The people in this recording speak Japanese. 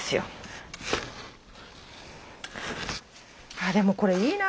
あでもこれいいな。